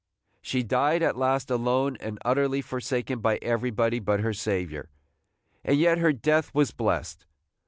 She died at last alone and utterly forsaken by everybody but her Saviour, and yet her death was blessed.